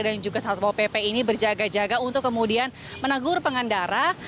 dan juga salto pp ini berjaga jaga untuk kemudian menegur pengendara